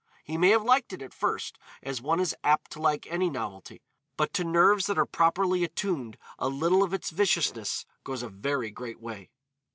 He may have liked it at first, as one is apt to like any novelty, but to nerves that are properly attuned a little of its viciousness goes a very great way.